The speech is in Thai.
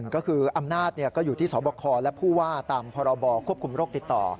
ก็คืออำนาจก็อยู่ที่สบคและผู้ว่าตามพรบควบคุมโรคติดต่อ